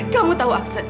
kamu tahu aksan